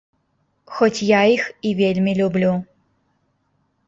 Хоць я іх і вельмі люблю.